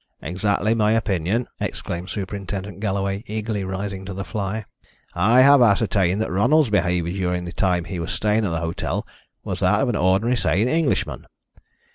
"Exactly my opinion," exclaimed Superintendent Galloway, eagerly rising to the fly. "I have ascertained that Ronald's behaviour during the time he was staying at the hotel was that of an ordinary sane Englishman.